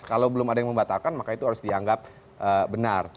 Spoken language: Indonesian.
kalau belum ada yang membatalkan maka itu harus dianggap benar